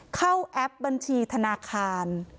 เข้าแอปบัญชีธนาคาร